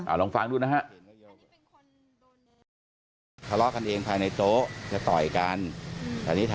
อ่าลองฟังดูนะครับ